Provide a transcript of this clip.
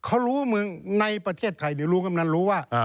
เขารู้ในประเทศไทยลุงกำนันรู้ว่า